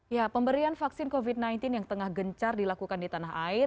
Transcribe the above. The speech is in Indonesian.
ya pemberian vaksin covid sembilan belas yang tengah gencar dilakukan di tanah air